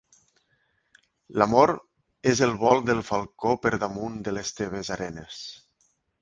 L'amor és el vol del falcó per damunt de les teves arenes.